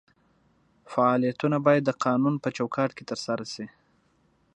فعالیتونه باید د قانون په چوکاټ کې ترسره شي.